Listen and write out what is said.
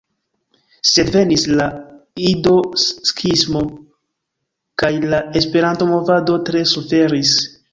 Sed venis la Ido-skismo, kaj la Esperanto-movado tre suferis.